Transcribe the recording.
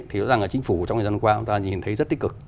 thì chính phủ trong thời gian qua chúng ta nhìn thấy rất tích cực